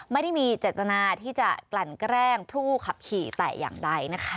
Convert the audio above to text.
ไม่ได้มีเจตนาที่จะกลั่นแกล้งผู้ขับขี่แต่อย่างใดนะคะ